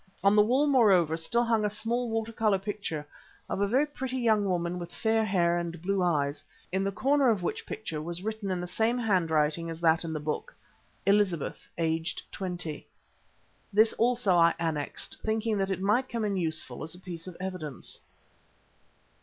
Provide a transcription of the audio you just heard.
On the wall, moreover, still hung the small watercolour picture of a very pretty young woman with fair hair and blue eyes, in the corner of which picture was written in the same handwriting as that in the book, "Elizabeth, aged twenty." This also I annexed, thinking that it might come in useful as a piece of evidence.